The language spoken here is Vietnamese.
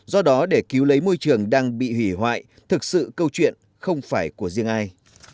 do đó để cứu lấy môi trường đang bị hủy hoại thực sự câu chuyện không phải của riêng ai